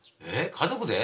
家族で？